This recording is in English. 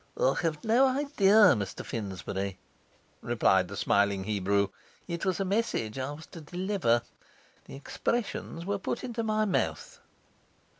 'I have no idea, Mr Finsbury,' replied the smiling Hebrew. 'It was a message I was to deliver. The expressions were put into my mouth.